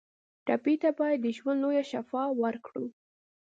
ټپي ته باید د ژوند لویه شفا ورکړو.